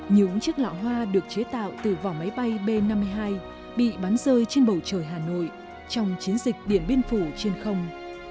những chiếc lọ hoa được chế tạo từ vỏ máy bay b năm mươi hai bị bắn rơi trên bầu trời hà nội trong chiến dịch điện biên phủ trên không